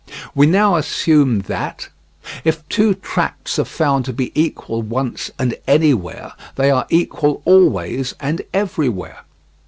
We now assume that: If two tracts are found to be equal once and anywhere, they are equal always and everywhere.